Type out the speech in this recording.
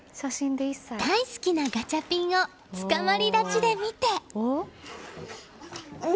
大好きなガチャピンをつかまり立ちで見て。